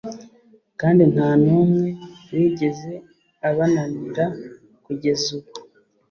kandi nta n'umwe wigeze abananira kugeza ubu